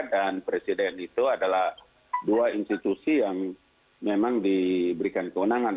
dan presiden itu adalah dua institusi yang memang diberikan kewenangan